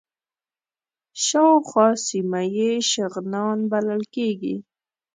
شاوخوا سیمه یې شغنان بلل کېږي.